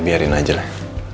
biarin aja lah